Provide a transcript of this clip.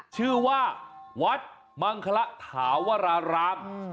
ชื่อว่าวัดมังคละถาวราราม